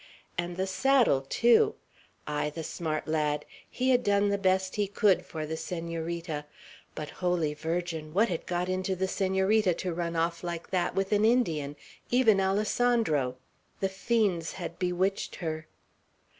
And the saddle, too! Ay, the smart lad! He had done the best he could for the Senorita; but, Holy Virgin! what had got into the Senorita to run off like that, with an Indian, even Alessandro! The fiends had bewitched her.